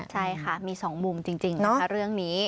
ใช่ค่ะมี๒มุมจริงนะคะเรื่องนี้